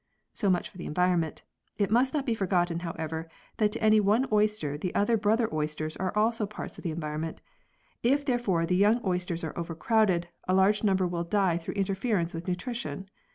So much for the environment. It must not be forgotten, however, that to any one oyster the other brother oysters are also parts of the environment. If therefore the young oysters are overcrowded, a large number will die through interference with nutrition.